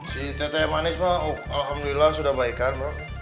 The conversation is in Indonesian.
si teteh manis pak alhamdulillah sudah baikan